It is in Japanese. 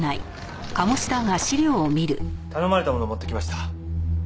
頼まれたものを持ってきました。